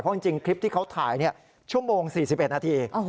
เพราะจริงคลิปที่เขาถ่ายชั่วโมง๔๑นาที